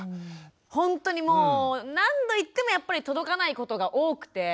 ほんとにもう何度言ってもやっぱり届かないことが多くて。